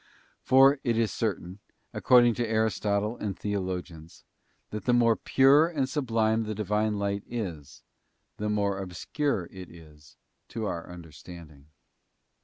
For it is certain, ac cording to Aristotle and theologians, that the more pure and sublime the Divine Light is, the more obscure it is to our understanding.